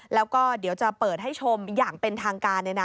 แล้วก็เดี๋ยวจะเปิดให้ชมอย่างเป็นทางการเลยนะ